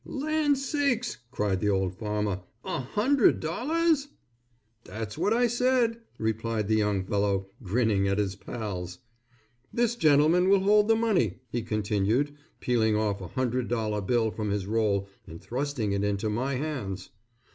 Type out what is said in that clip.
"Land sakes!" cried the old farmer. "A hundred dollars?" "That's what I said," replied the young fellow, grinning at his pals. "This gentleman will hold the money," he continued, peeling off a hundred dollar bill from his roll and thrusting it into my hands.